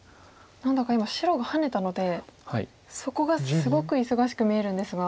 何だか今白がハネたのでそこがすごく忙しく見えるんですが。